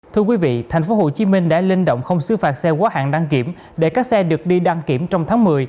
thưa quý vị tp hcm đã linh động không xứ phạt xe quá hạn đăng kiểm để các xe được đi đăng kiểm trong tháng một mươi